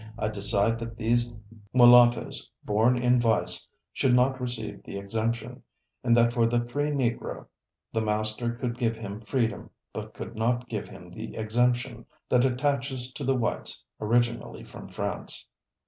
I decide that those Mulattoes born in vice should not receive the exemption, and that for the free Negro, the master could give him freedom but could not give him the exemption that attaches to the whites originally from France."